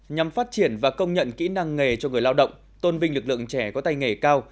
nhằm phát triển và công nhận kỹ năng nghề cho người lao động tôn vinh lực lượng trẻ có tay nghề cao